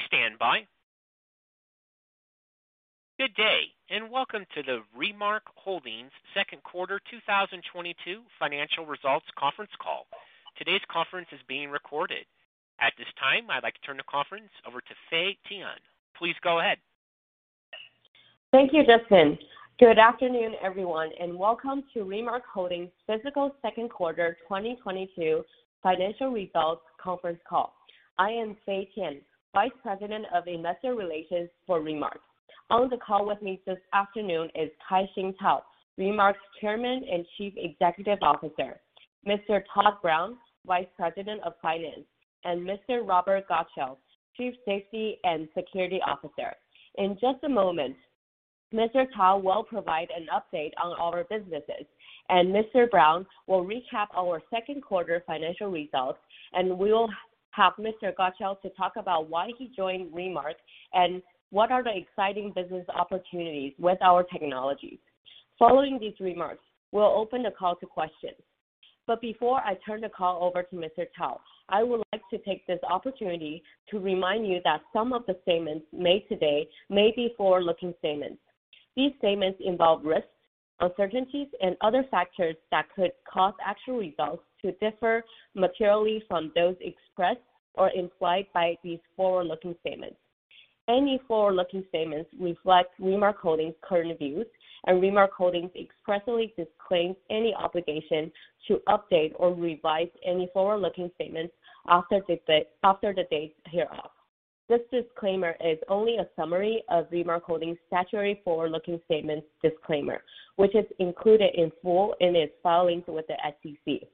Please stand by. Good day, and welcome to the Remark Holdings Q2 2022 financial results Conference Call. Today's conference is being recorded. At this time, I'd like to turn the conference over to Fay Tian. Please go ahead. Thank you, Justin. Good afternoon, everyone, and welcome to Remark Holdings fiscal Q2 2022 financial results Conference Call. I am Fay Tian, Vice President of Investor Relations for Remark. On the call with me this afternoon is Kai-Shing Tao, Remark's Chairman and Chief Executive Officer. Mr. Todd Brown, Vice President of Finance, and Mr. Robert Gatchell, Chief Safety and Security Officer. In just a moment, Mr. Tao will provide an update on our businesses, and Mr. Brown will recap our Q2 financial results, and we will have Mr. Gatchell to talk about why he joined Remark and what are the exciting business opportunities with our technologies. Following these remarks, we'll open the call to questions. Before I turn the call over to Mr. Tao, I would like to take this opportunity to remind you that some of the statements made today may be forward-looking statements. These statements involve risks, uncertainties, and other factors that could cause actual results to differ materially from those expressed or implied by these forward-looking statements. Any forward-looking statements reflect Remark Holdings' current views, and Remark Holdings expressly disclaims any obligation to update or revise any forward-looking statements after the date hereof. This disclaimer is only a summary of Remark Holdings' statutory forward-looking statements disclaimer, which is included in full in its filings with the SEC.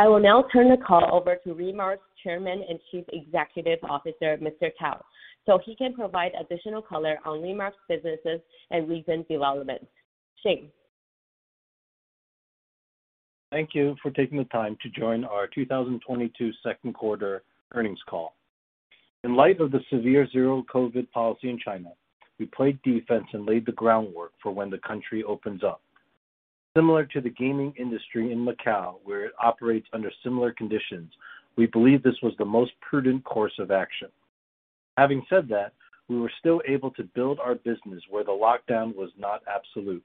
I will now turn the call over to Remark's Chairman and Chief Executive Officer, Mr. Tao, so he can provide additional color on Remark's businesses and recent developments. Shing. Thank you for taking the time to join our 2022 Q2 Earnings call. In light of the severe zero COVID policy in China, we played defense and laid the groundwork for when the country opens up. Similar to the gaming industry in Macau, where it operates under similar conditions, we believe this was the most prudent course of action. Having said that, we were still able to build our business where the lockdown was not absolute.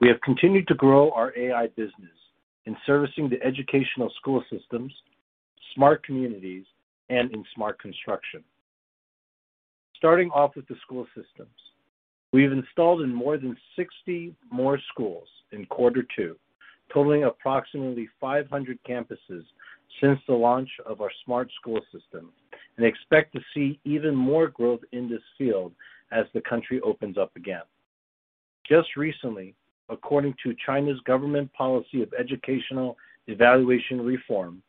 We have continued to grow our AI business in servicing the educational school systems, smart communities, and in smart construction. Starting off with the school systems. We've installed in more than 60 more schools in quarter two, totaling approximately 500 campuses since the launch of our smart school system and expect to see even more growth in this field as the country opens up again. Just recently, according to China's government policy of educational evaluation reform,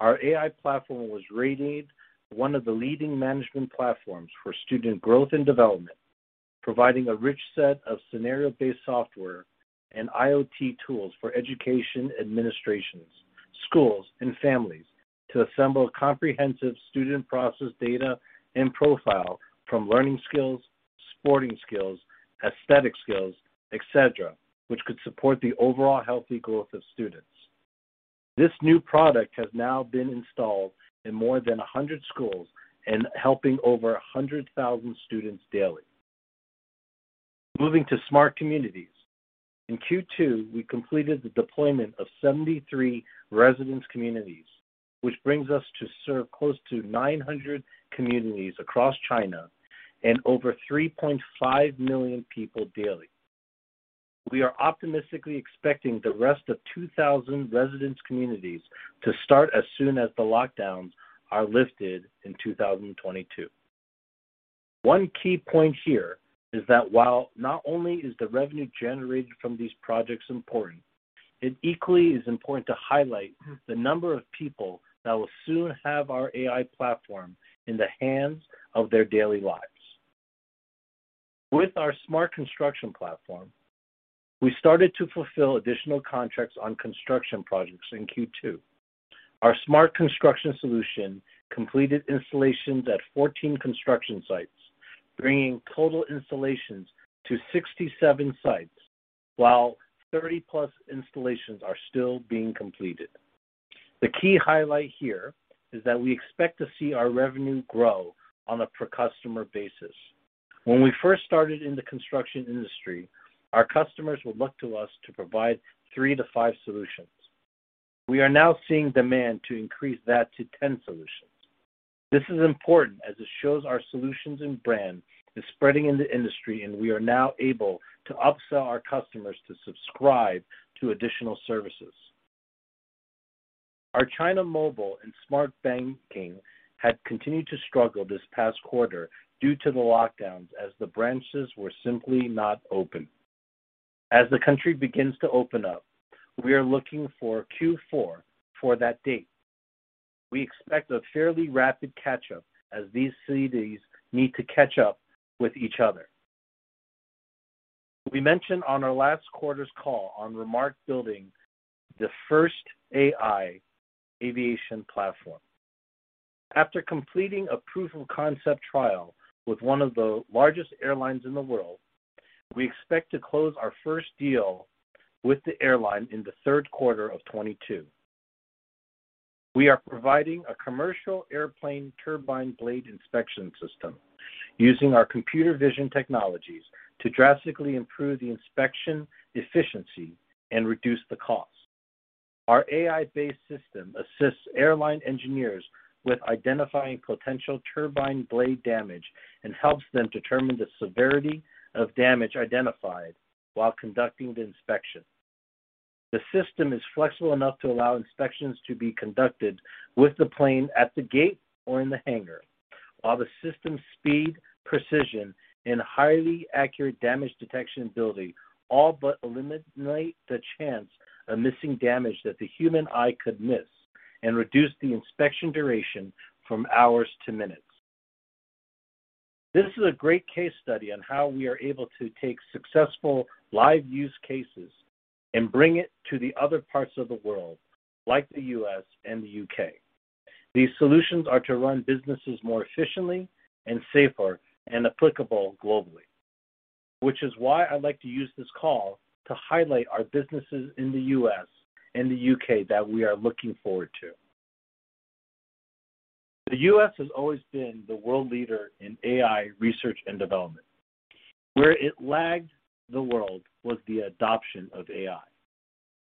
our AI platform was rated one of the leading management platforms for student growth and development, providing a rich set of scenario-based software and IoT tools for education administrations, schools, and families to assemble comprehensive student process data and profile from learning skills, sporting skills, aesthetic skills, et cetera, which could support the overall healthy growth of students. This new product has now been installed in more than 100 schools and helping over 100,000 students daily. Moving to smart communities. In Q2, we completed the deployment of 73 residence communities, which brings us to serve close to 900 communities across China and over 3.5 million people daily. We are optimistically expecting the rest of 2,000 residents communities to start as soon as the lockdowns are lifted in 2022. One key point here is that while not only is the revenue generated from these projects important, it equally is important to highlight the number of people that will soon have our AI platform in the hands of their daily lives. With our smart construction platform, we started to fulfill additional contracts on construction projects in Q2. Our smart construction solution completed installations at 14 construction sites, bringing total installations to 67 sites, while 30+ installations are still being completed. The key highlight here is that we expect to see our revenue grow on a per customer basis. When we first started in the construction industry, our customers would look to us to provide 3-5 solutions. We are now seeing demand to increase that to 10 solutions. This is important as it shows our solutions and brand is spreading in the industry, and we are now able to upsell our customers to subscribe to additional services. Our China Mobile and Smart Banking had continued to struggle this past quarter due to the lockdowns as the branches were simply not open. As the country begins to open up, we are looking for Q4 for that data. We expect a fairly rapid catch-up as these cities need to catch up with each other. We mentioned on our last quarter's call on Remark building the first AI aviation platform. After completing a proof-of-concept trial with one of the largest airlines in the world. We expect to close our first deal with the airline in Q3 of 2022. We are providing a commercial airplane turbine blade inspection system using our computer vision technologies to drastically improve the inspection efficiency and reduce the cost. Our AI-based system assists airline engineers with identifying potential turbine blade damage and helps them determine the severity of damage identified while conducting the inspection. The system is flexible enough to allow inspections to be conducted with the plane at the gate or in the hangar, while the system's speed, precision, and highly accurate damage detection ability all but eliminate the chance of missing damage that the human eye could miss and reduce the inspection duration from hours to minutes. This is a great case study on how we are able to take successful live use cases and bring it to the other parts of the world like the U.S. and the U.K. These solutions are to run businesses more efficiently and safer and applicable globally. Which is why I'd like to use this call to highlight our businesses in the U.S. and the U.K. that we are looking forward to. The U.S. has always been the world leader in AI research and development. Where it lagged the world was the adoption of AI.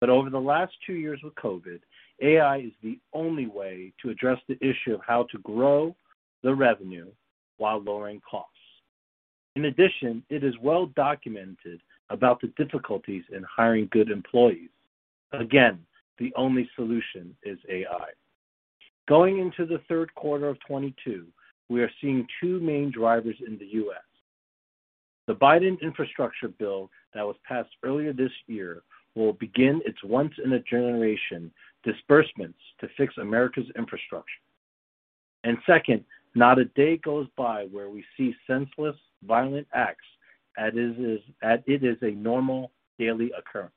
Over the last two years with COVID, AI is the only way to address the issue of how to grow the revenue while lowering costs. In addition, it is well-documented about the difficulties in hiring good employees. Again, the only solution is AI. Going into the Q3 of 2022, we are seeing two main drivers in the U.S. The Biden infrastructure bill that was passed earlier this year will begin its once in a generation disbursements to fix America's infrastructure. Second, not a day goes by where we see senseless, violent acts as it is a normal daily occurrence.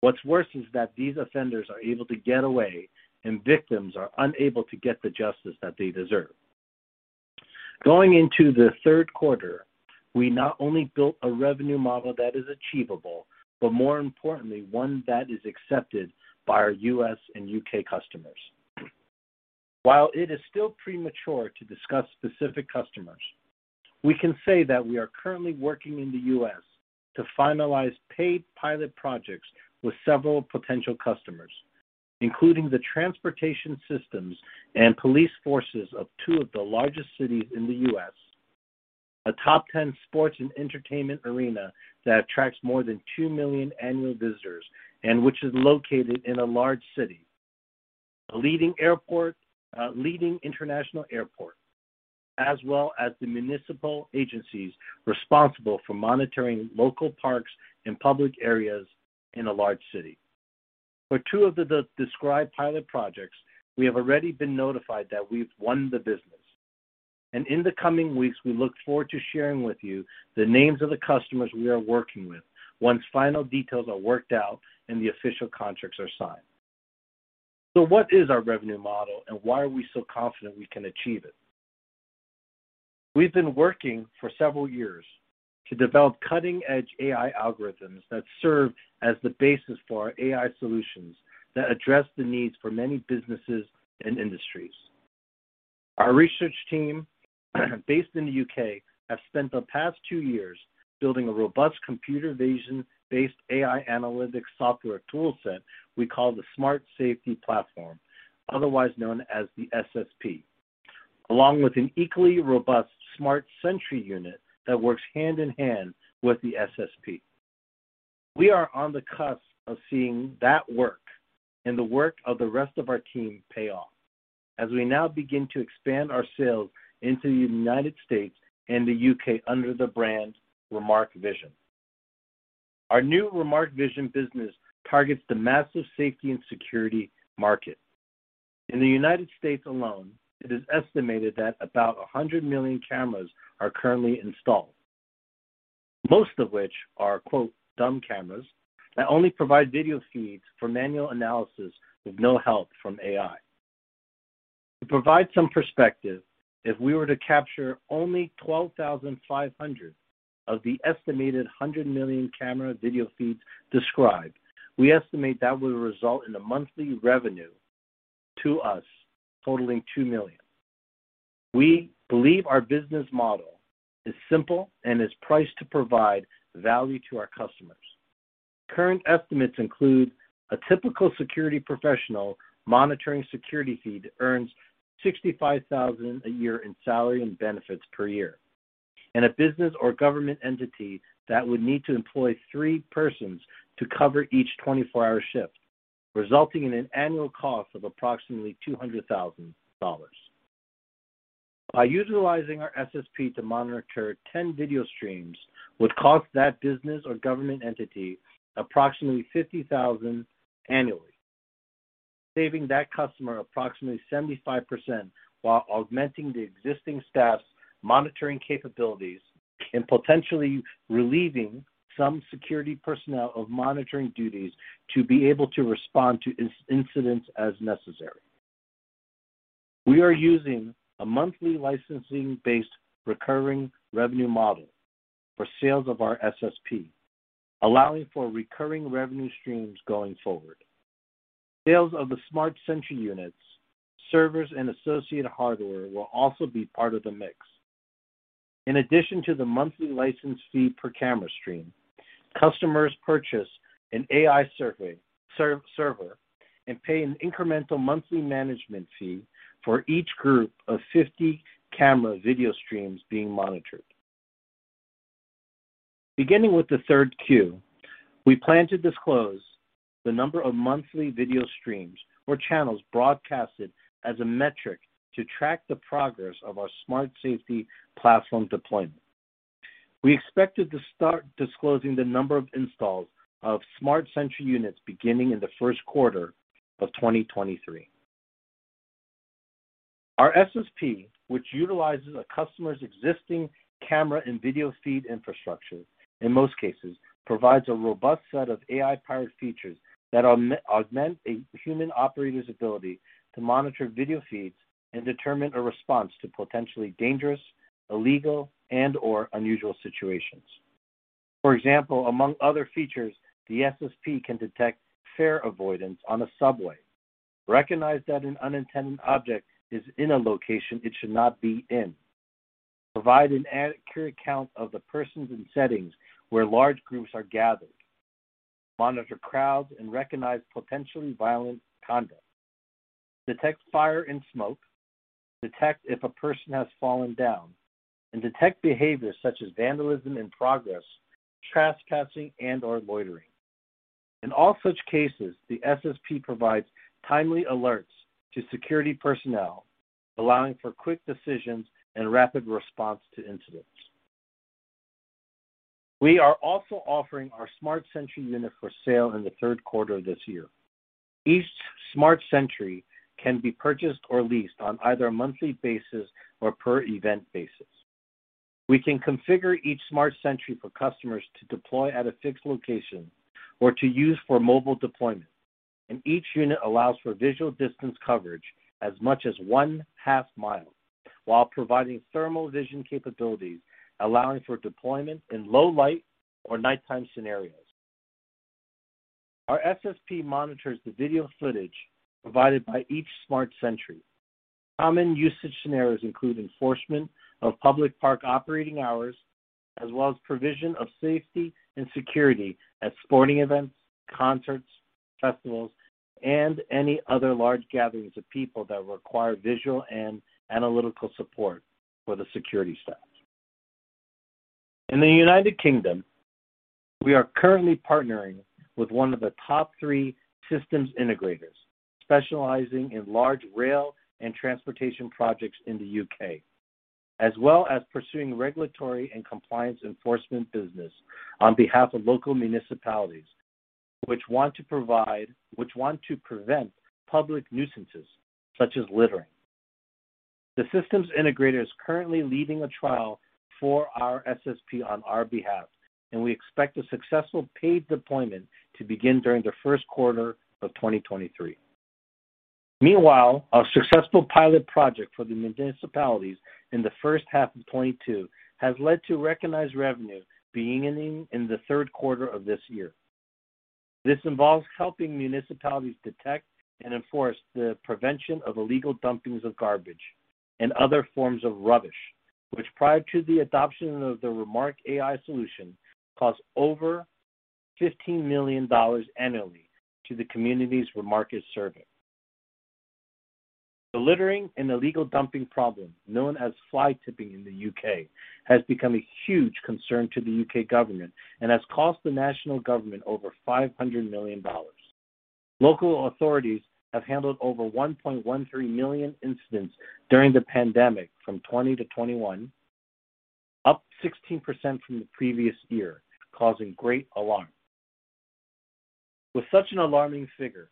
What's worse is that these offenders are able to get away and victims are unable to get the justice that they deserve. Going into the Q3, we not only built a revenue model that is achievable, but more importantly, one that is accepted by our U.S. and U.K. customers. While it is still premature to discuss specific customers, we can say that we are currently working in the U.S. to finalize paid pilot projects with several potential customers, including the transportation systems and police forces of two of the largest cities in the U.S., a top ten sports and entertainment arena that attracts more than 2 million annual visitors and which is located in a large city, a leading airport, a leading international airport, as well as the municipal agencies responsible for monitoring local parks and public areas in a large city. For two of the described pilot projects, we have already been notified that we've won the business. In the coming weeks, we look forward to sharing with you the names of the customers we are working with once final details are worked out and the official contracts are signed. What is our revenue model, and why are we so confident we can achieve it? We've been working for several years to develop cutting-edge AI algorithms that serve as the basis for our AI solutions that address the needs for many businesses and industries. Our research team, based in the U.K., have spent the past two years building a robust computer vision-based AI analytics software toolset we call the Smart Safety Platform, otherwise known as the SSP. Along with an equally robust Smart Sentry unit that works hand in hand with the SSP. We are on the cusp of seeing that work and the work of the rest of our team pay off as we now begin to expand our sales into the United States and the U.K. under the brand Remark Vision. Our new Remark Vision business targets the massive safety and security market. In the United States alone, it is estimated that about 100 million cameras are currently installed, most of which are, quote, "dumb cameras" that only provide video feeds for manual analysis with no help from AI. To provide some perspective, if we were to capture only 12,500 of the estimated 100 million camera video feeds described, we estimate that would result in a monthly revenue to us totaling $2 million. We believe our business model is simple and is priced to provide value to our customers. Current estimates include a typical security professional monitoring security feed earns $65,000 a year in salary and benefits per year. A business or government entity that would need to employ 3 persons to cover each 24-hour shift, resulting in an annual cost of approximately $200,000. By utilizing our SSP to monitor 10 video streams would cost that business or government entity approximately $50,000 annually, saving that customer approximately 75% while augmenting the existing staff's monitoring capabilities and potentially relieving some security personnel of monitoring duties to be able to respond to incidents as necessary. We are using a monthly licensing-based recurring revenue model for sales of our SSP, allowing for recurring revenue streams going forward. Sales of the Smart Sentry units, servers, and associated hardware will also be part of the mix. In addition to the monthly license fee per camera stream, customers purchase an AI server and pay an incremental monthly management fee for each group of 50 camera video streams being monitored. Beginning with the third Q, we plan to disclose the number of monthly video streams or channels broadcasted as a metric to track the progress of our Smart Safety Platform deployment. We expected to start disclosing the number of installs of Smart Sentry units beginning in Q1 of 2023. Our SSP, which utilizes a customer's existing camera and video feed infrastructure, in most cases, provides a robust set of AI-powered features that augment a human operator's ability to monitor video feeds and determine a response to potentially dangerous, illegal, and/or unusual situations. For example, among other features, the SSP can detect fare avoidance on a subway, recognize that an unintended object is in a location it should not be in, provide an accurate count of the persons and settings where large groups are gathered, monitor crowds, and recognize potentially violent conduct, detect fire and smoke, detect if a person has fallen down, and detect behaviors such as vandalism in progress, trespassing, and/or loitering. In all such cases, the SSP provides timely alerts to security personnel, allowing for quick decisions and rapid response to incidents. We are also offering our Smart Sentry unit for sale in Q3 of this year. Each Smart Sentry can be purchased or leased on either a monthly basis or per event basis. We can configure each Smart Sentry for customers to deploy at a fixed location or to use for mobile deployment, and each unit allows for visual distance coverage as much as one-half mile while providing thermal vision capabilities, allowing for deployment in low light or nighttime scenarios. Our SSP monitors the video footage provided by each Smart Sentry. Common usage scenarios include enforcement of public park operating hours, as well as provision of safety and security at sporting events, concerts, festivals, and any other large gatherings of people that require visual and analytical support for the security staff. In the United Kingdom, we are currently partnering with one of the top three systems integrators specializing in large rail and transportation projects in the U.K., as well as pursuing regulatory and compliance enforcement business on behalf of local municipalities, which want to prevent public nuisances such as littering. The systems integrator is currently leading a trial for our SSP on our behalf, and we expect a successful paid deployment to begin during the Q1 of 2023. Meanwhile, our successful pilot project for the municipalities in the first half of 2022 has led to recognized revenue beginning in Q3 of this year. This involves helping municipalities detect and enforce the prevention of illegal dumpings of garbage and other forms of rubbish, which prior to the adoption of the Remark AI solution, cost over $15 million annually to the communities Remark is serving. The littering and illegal dumping problem known as fly-tipping in the U.K. has become a huge concern to the U.K. government and has cost the national government over $500 million. Local authorities have handled over 1.13 million incidents during the pandemic from 2020 to 2021, up 16% from the previous year, causing great alarm. With such an alarming figure,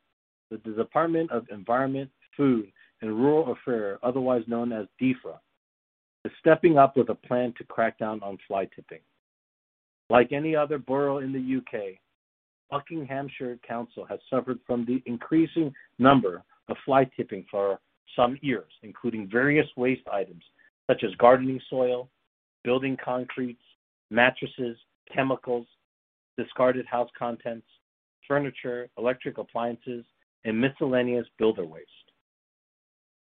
the Department for Environment, Food and Rural Affairs, otherwise known as Defra, is stepping up with a plan to crack down on fly-tipping. Like any other borough in the U.K., Buckinghamshire Council has suffered from the increasing number of fly-tipping for some years, including various waste items such as gardening soil, building concretes, mattresses, chemicals, discarded house contents, furniture, electric appliances, and miscellaneous builder waste.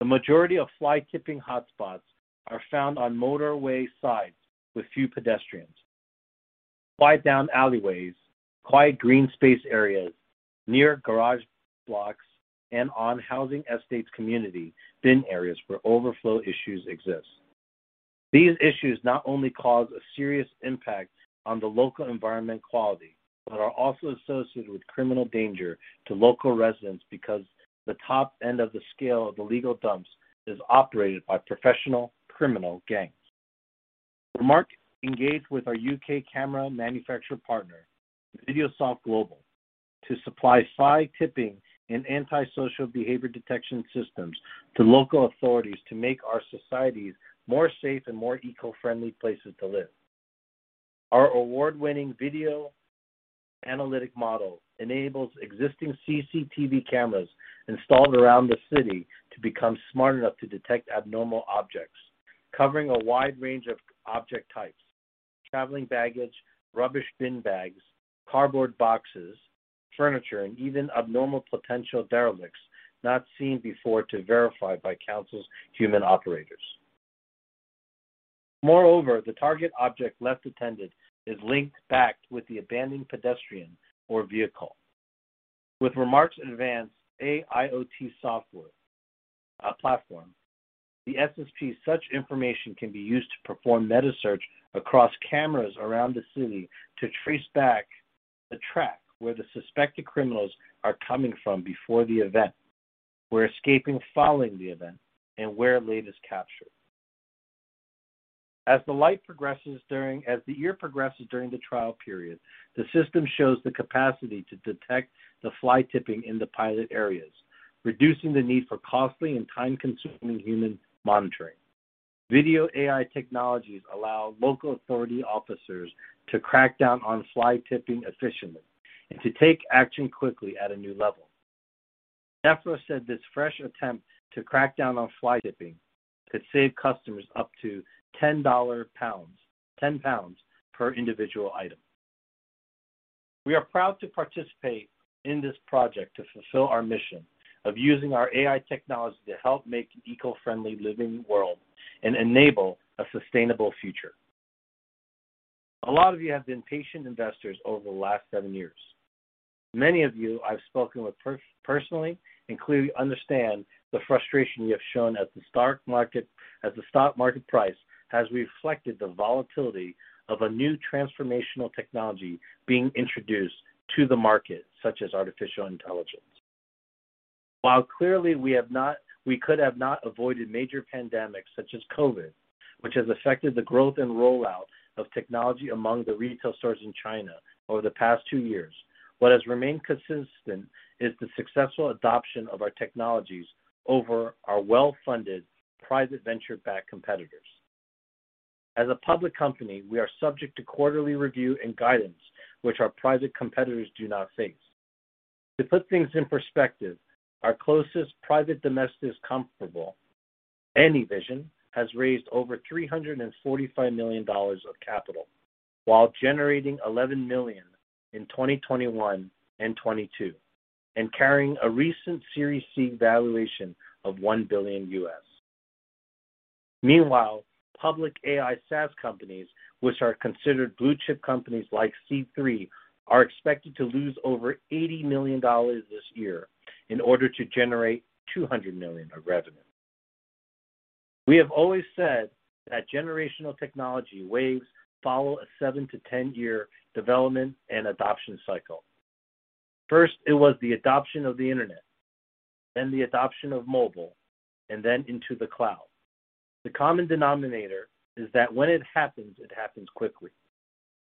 The majority of fly-tipping hotspots are found on motorway sides with few pedestrians, quiet down alleyways, quiet green space areas, near garage blocks, and on housing estates community bin areas where overflow issues exist. These issues not only cause a serious impact on the local environment quality but are also associated with criminal danger to local residents because the top-end of the scale of illegal dumps is operated by professional criminal gangs. Remark engaged with our U.K. camera manufacturer partner, Videosoft Global, to supply fly-tipping and antisocial behavior detection systems to local authorities to make our societies more safe and more eco-friendly places to live. Our award-winning video analytic model enables existing CCTV cameras installed around the city to become smart enough to detect abnormal objects, covering a wide range of object types, traveling baggage, rubbish bin bags, cardboard boxes, furniture, and even abnormal potential derelicts not seen before to verify by council's human operators. Moreover, the target object left unattended is linked back with the abandoned pedestrian or vehicle. With Remark's advanced AIoT software platform, the SSP such information can be used to perform meta search across cameras around the city to trace back the track where the suspected criminals are coming from before the event, where escaping following the event, and where it laid is captured. As the year progresses during the trial period, the system shows the capacity to detect the fly-tipping in the pilot areas, reducing the need for costly and time-consuming human monitoring. Video AI technologies allow local authority officers to crack down on fly-tipping efficiently and to take action quickly at a new level. DEFRA said this fresh attempt to crack down on fly-tipping could save customers up to 10 pounds per individual item. We are proud to participate in this project to fulfill our mission of using our AI technology to help make an eco-friendly living world and enable a sustainable future. A lot of you have been patient investors over the last seven years. Many of you I've spoken with personally and clearly understand the frustration you have shown at the stock market, as the stock market price has reflected the volatility of a new transformational technology being introduced to the market, such as artificial intelligence. While clearly, we could have not avoided major pandemics such as COVID, which has affected the growth and rollout of technology among the retail stores in China over the past two years, what has remained consistent is the successful adoption of our technologies over our well-funded, private, venture-backed competitors. As a public company, we are subject to quarterly review and guidance which our private competitors do not face. To put things in perspective, our closest private domestic comparable, AnyVision, has raised over $345 million of capital while generating $11 million in 2021 and 2022 and carrying a recent Series C valuation of $1 billion. Meanwhile, public AI SaaS companies, which are considered blue-chip companies like C3.ai, are expected to lose over $80 million this year in order to generate $200 million of revenue. We have always said that generational technology waves follow a 7-10 year development and adoption cycle. First, it was the adoption of the Internet, then the adoption of mobile, and then into the cloud. The common denominator is that when it happens, it happens quickly.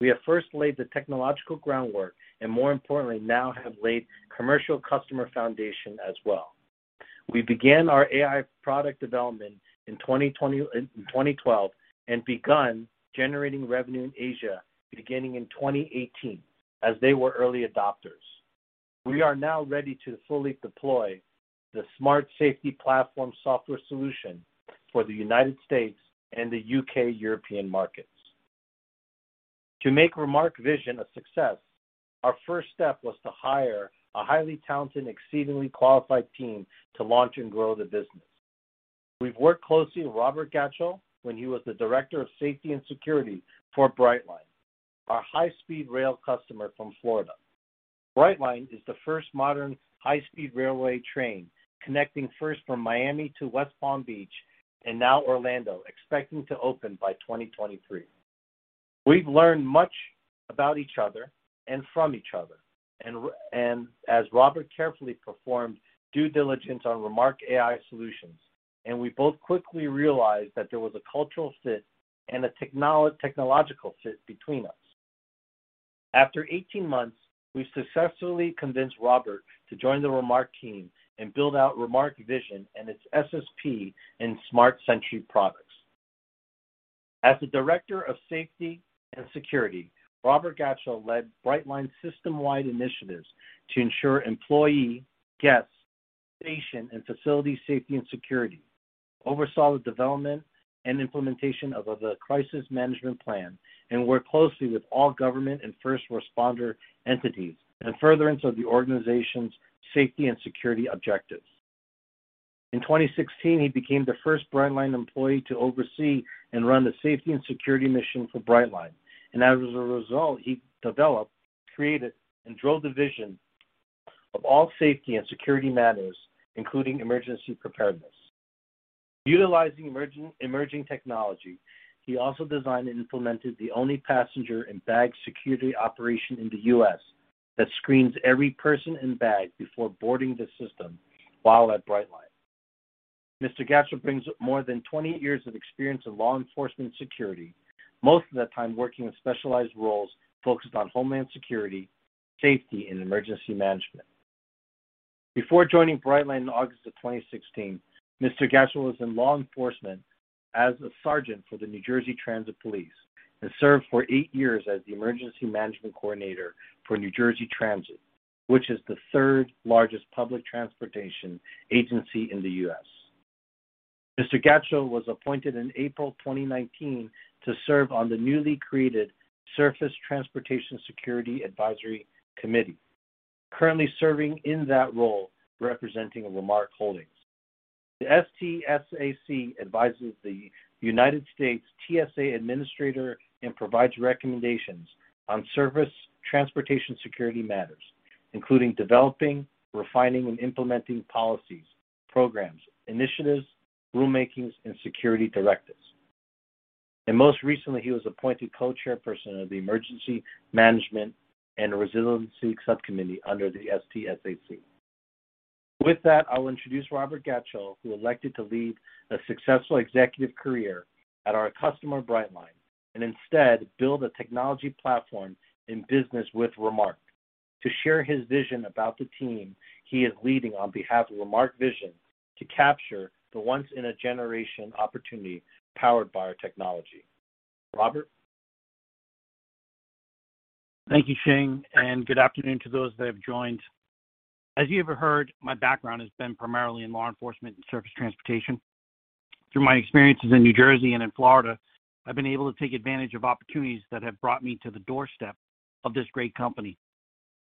We have first laid the technological groundwork, and more importantly, now have laid commercial customer foundation as well. We began our AI product development in 2012 and begun generating revenue in Asia beginning in 2018, as they were early adopters. We are now ready to fully deploy the Smart Safety Platform software solution for the United States and the U.K. European markets. To make Remark Vision a success, our first step was to hire a highly talented and exceedingly qualified team to launch and grow the business. We've worked closely with Robert Gatchell when he was the Director of Safety and Security for Brightline, our high-speed rail customer from Florida. Brightline is the first modern high-speed railway train connecting first from Miami to West Palm Beach and now Orlando, expecting to open by 2023. We've learned much about each other and from each other, and as Robert carefully performed due diligence on Remark AI solutions, and we both quickly realized that there was a cultural fit and a technological fit between us. After 18 months, we successfully convinced Robert to join the Remark team and build out Remark Vision and its SSP and Smart Sentry products. As the Director of Safety and Security, Robert Gatchell led Brightline's system-wide initiatives to ensure employee, guests, station, and facility safety and security, oversaw the development and implementation of the crisis management plan, and worked closely with all government and first responder entities in furtherance of the organization's safety and security objectives. In 2016, he became the first Brightline employee to oversee and run the safety and security mission for Brightline, and as a result, he developed, created, and drove the vision of all safety and security matters, including emergency preparedness. Utilizing emerging technology, he also designed and implemented the only passenger and bag security operation in the U.S. that screens every person and bag before boarding the system while at Brightline. Mr. Gatchell brings more than 20 years of experience in law enforcement security, most of that time working with specialized roles focused on homeland security, safety, and emergency management. Before joining Brightline in August of 2016, Mr. Gatchell was in law enforcement as a sergeant for the New Jersey Transit Police, and served for 8 years as the emergency management coordinator for New Jersey Transit, which is the third largest public transportation agency in the U.S. Mr. Gatchell was appointed in April 2019 to serve on the newly created Surface Transportation Security Advisory Committee, currently serving in that role representing Remark Holdings. The STSAC advises the United States TSA administrator and provides recommendations on surface transportation security matters, including developing, refining, and implementing policies, programs, initiatives, rulemakings, and security directives. Most recently, he was appointed co-chairperson of the Emergency Management and Resiliency Subcommittee under the STSAC. With that, I will introduce Robert Gatchell, who elected to leave a successful executive career at our customer, Brightline, and instead build a technology platform in business with Remark to share his vision about the team he is leading on behalf of Remark Vision to capture the once in a generation opportunity powered by our technology. Robert. Thank you, Shing, and good afternoon to those that have joined. As you may have heard, my background has been primarily in law enforcement and surface transportation. Through my experiences in New Jersey and in Florida, I've been able to take advantage of opportunities that have brought me to the doorstep of this great company.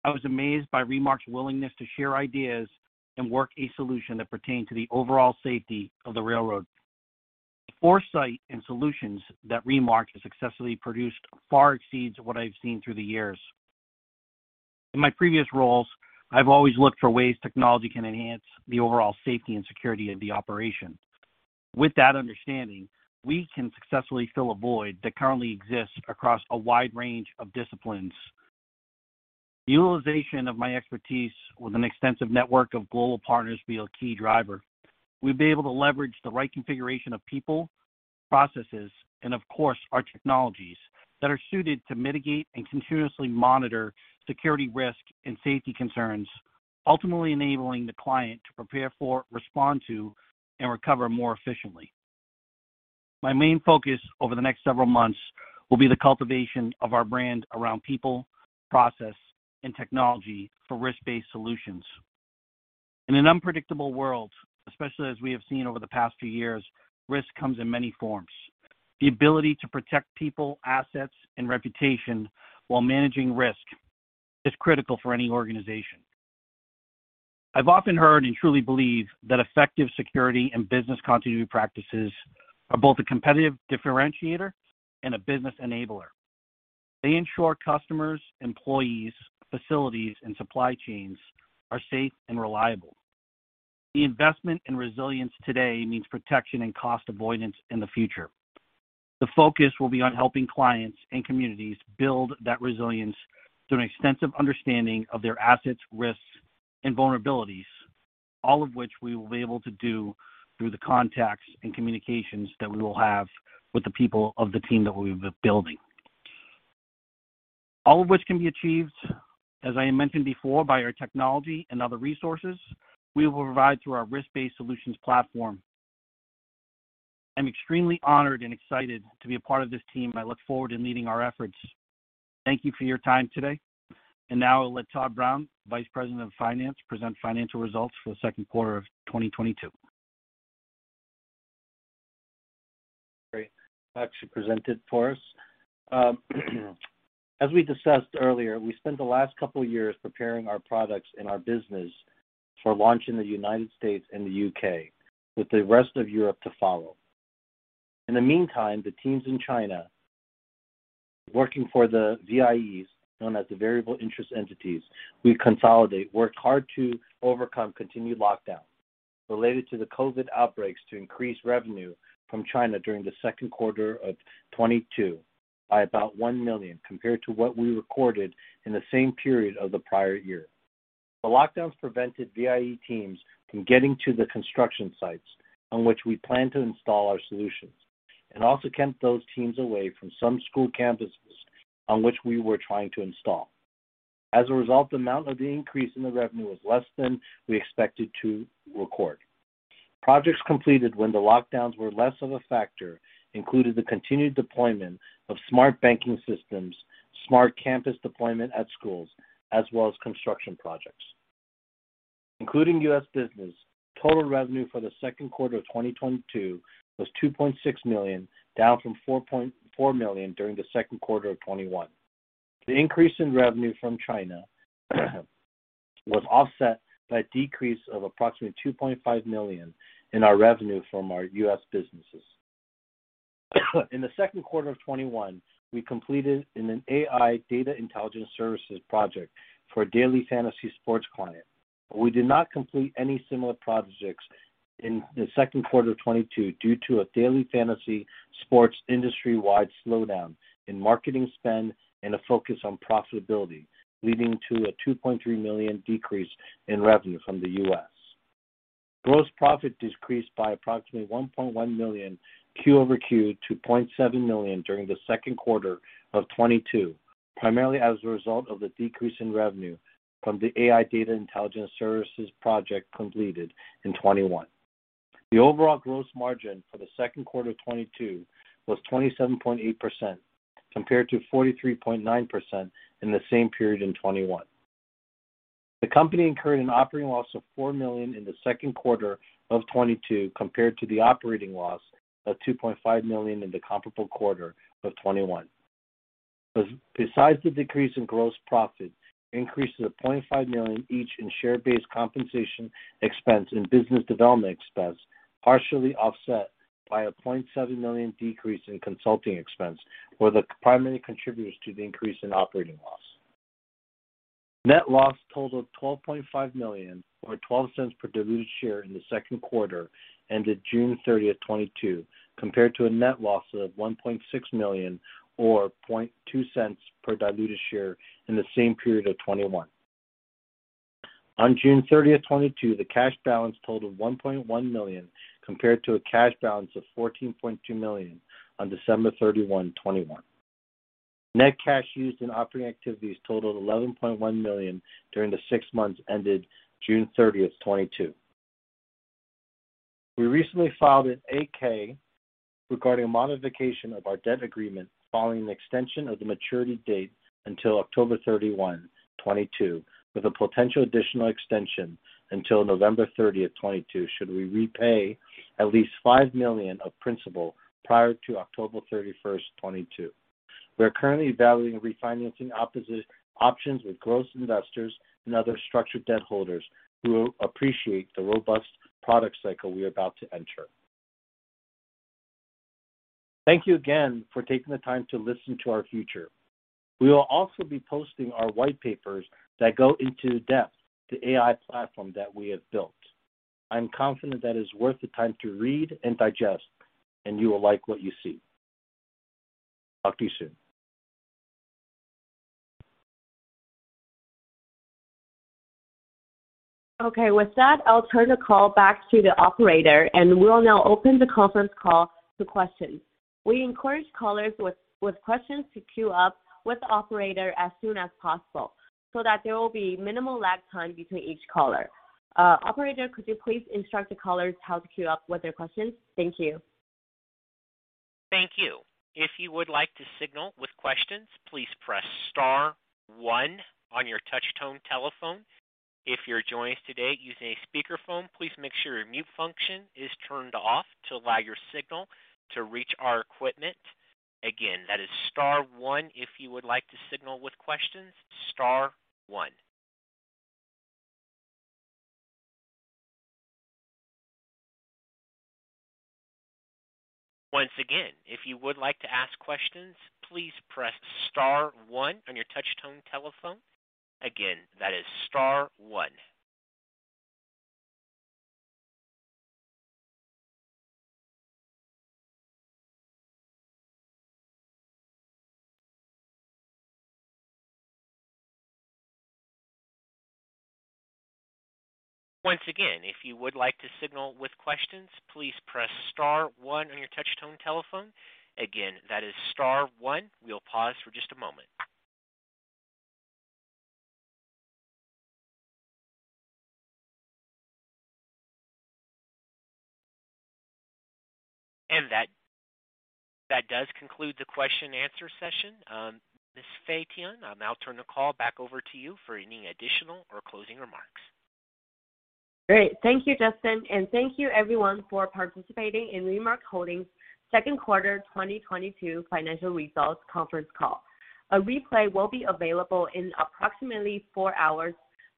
I was amazed by Remark's willingness to share ideas and work on a solution that pertained to the overall safety of the railroad. The foresight and solutions that Remark has successfully produced far exceeds what I've seen through the years. In my previous roles, I've always looked for ways technology can enhance the overall safety and security of the operation. With that understanding, we can successfully fill a void that currently exists across a wide range of disciplines. The utilization of my expertise with an extensive network of global partners will be a key driver. We'll be able to leverage the right configuration of people, processes, and of course, our technologies that are suited to mitigate and continuously monitor security risk and safety concerns, ultimately enabling the client to prepare for, respond to, and recover more efficiently. My main focus over the next several months will be the cultivation of our brand around people, process, and technology for risk-based solutions. In an unpredictable world, especially as we have seen over the past few years, risk comes in many forms. The ability to protect people, assets, and reputation while managing risk is critical for any organization. I've often heard and truly believe that effective security and business continuity practices are both a competitive differentiator and a business enabler. They ensure customers, employees, facilities, and supply chains are safe and reliable. The investment in resilience today means protection and cost avoidance in the future. The focus will be on helping clients and communities build that resilience through an extensive understanding of their assets, risks, and vulnerabilities, all of which we will be able to do through the contacts and communications that we will have with the people of the team that we've been building. All of which can be achieved, as I mentioned before, by our technology and other resources we will provide through our risk-based solutions platform. I'm extremely honored and excited to be a part of this team. I look forward in leading our efforts. Thank you for your time today. Now I'll let Todd Brown, Vice President of Finance, present financial results for the Q2 of 2022. Great. Actually presented for us. As we discussed earlier, we spent the last couple years preparing our products and our business for launch in the United States and the U.K., with the rest of Europe to follow. In the meantime, the teams in China, working for the VIEs, known as the variable interest entities we consolidate, worked hard to overcome continued lockdown related to the COVID outbreaks to increase revenue from China during the Q2 of 2022 by about $1 million, compared to what we recorded in the same period of the prior year. The lockdowns prevented VIE teams from getting to the construction sites on which we plan to install our solutions, and also kept those teams away from some school campuses on which we were trying to install. As a result, the amount of the increase in the revenue was less than we expected to record. Projects completed when the lockdowns were less of a factor included the continued deployment of smart banking systems, smart campus deployment at schools, as well as construction projects. Including U.S. business, total revenue for the Q2 of 2022 was $2.6 million, down from $4.4 million during the Q2 of 2021. The increase in revenue from China was offset by a decrease of approximately $2.5 million in our revenue from our U.S. businesses. In the Q2 of 2021, we completed an AI data intelligence services project for a daily fantasy sports client. We did not complete any similar projects in Q2 of 2022 due to a daily fantasy sports industry-wide slowdown in marketing spend and a focus on profitability, leading to a $2.3 million decrease in revenue from the U.S. Gross profit decreased by approximately $1.1 million quarter-over-quarter to $0.7 million during the Q2 of 2022, primarily as a result of the decrease in revenue from the AI data intelligence services project completed in 2021. The overall gross margin for the Q2 of 2022 was 27.8% compared to 43.9% in the same period in 2021. The company incurred an operating loss of $4 million in Q2 of 2022 compared to the operating loss of $2.5 million in the comparable quarter of 2021. Besides the decrease in gross profit, increases of $0.5 million each in share-based compensation expense and business development expense, partially offset by a $0.7 million decrease in consulting expense were the primary contributors to the increase in operating loss. Net loss totaled $12.5 million or $0.12 per diluted share in Q2 ended June 30, 2022, compared to a net loss of $1.6 million or $0.02 per diluted share in the same period of 2021. On June 30, 2022, the cash balance totaled $1.1 million compared to a cash balance of $14.2 million on December 31, 2021. Net cash used in operating activities totaled $11.1 million during the six months ended June 30, 2022. We recently filed an 8-K regarding a modification of our debt agreement following an extension of the maturity date until October 31, 2022, with a potential additional extension until November 30, 2022, should we repay at least $5 million of principal prior to October 31, 2022. We are currently evaluating refinancing options with growth investors and other structured debt holders who appreciate the robust product cycle we are about to enter. Thank you again for taking the time to listen to our future. We will also be posting our white papers that go into depth the AI platform that we have built. I'm confident that it is worth the time to read and digest, and you will like what you see. Talk to you soon. Okay. With that, I'll turn the call back to the operator, and we'll now open the Conference Call to questions. We encourage callers with questions to queue up with the operator as soon as possible so that there will be minimal lag time between each caller. Operator, could you please instruct the callers how to queue up with their questions? Thank you. Thank you. If you would like to signal with questions, please press star one on your touch tone telephone. If you're joining us today using a speakerphone, please make sure your mute function is turned off to allow your signal to reach our equipment. Again, that is star one if you would like to signal with questions, star one. Once again, if you would like to ask questions, please press star one on your touch tone telephone. Again, that is star one. Once again, if you would like to signal with questions, please press star one on your touch tone telephone. Again, that is star one. We'll pause for just a moment. That does conclude the question and answer session. Ms. Fay Tian, I'll now turn the call back over to you for any additional or closing remarks. Great. Thank you, Justin. Thank you everyone for participating in Remark Holdings' Q2 2022 financial results Conference Call. A replay will be available in approximately four hours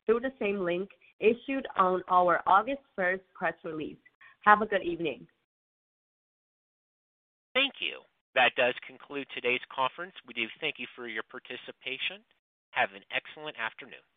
through the same link issued on our August first press release. Have a good evening. Thank you. That does conclude today's conference. We do thank you for your participation. Have an excellent afternoon.